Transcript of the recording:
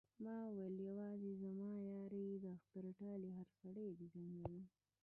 ما ويل يوازې زما يار يې د اختر ټال يې هر سړی دې زنګوينه